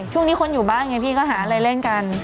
ช่วงนี้คนอยู่บ้านไงพี่ก็หาอะไรเล่นกัน